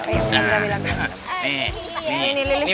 ini lili sendiri